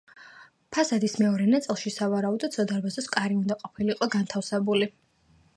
ფასადის მეორე ნაწილში, სავარაუდოდ, სადარბაზოს კარი უნდა ყოფილიყო განთავსებული.